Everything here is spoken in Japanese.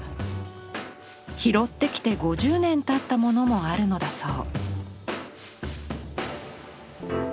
拾ってきて５０年たったものもあるのだそう。